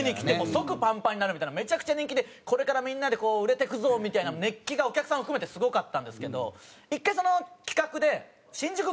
即パンパンになるみたいなめちゃくちゃ人気でこれからみんなで売れていくぞみたいな熱気がお客さんも含めてすごかったんですけど１回その企画で「新宿ＧＯ！ＧＯ！